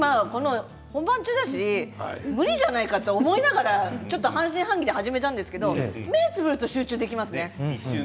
本番中だし無理じゃないかと思いながらちょっと半信半疑で始めたんですけど目をつぶると集中できますね。